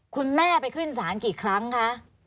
คุณแม่ไปขึ้นศาลกี่ครั้งคะ